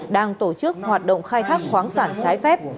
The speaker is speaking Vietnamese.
đang tổ chức hoạt động khai thác khoáng sản trái phép